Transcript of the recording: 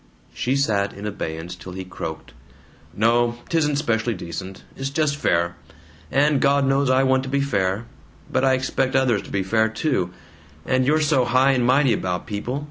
She sat in abeyance till he croaked: "No. 'Tisn't especially decent. It's just fair. And God knows I want to be fair. But I expect others to be fair, too. And you're so high and mighty about people.